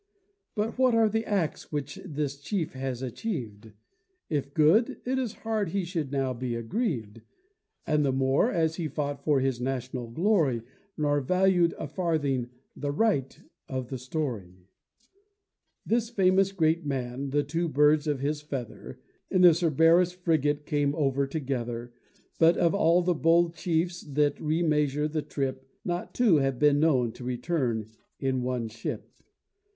But what are the acts which this chief has achieved? If good, it is hard he should now be aggrieved: And the more, as he fought for his national glory, Nor valued, a farthing, the right of the story. This famous great man, and two birds of his feather, In the Cerberus frigate came over together: But of all the bold chiefs that remeasure the trip, Not two have been known to return in one ship.